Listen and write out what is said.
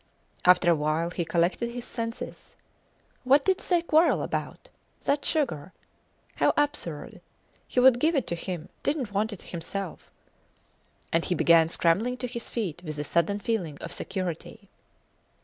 After a while he collected his senses. What did they quarrel about? That sugar! How absurd! He would give it to him didnt want it himself. And he began scrambling to his feet with a sudden feeling of security.